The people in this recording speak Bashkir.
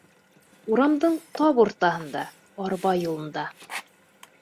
Урамдың тап уртаһында, арба юлында.